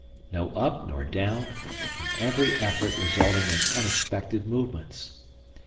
No up nor down, and every effort resulting in unexpected movements.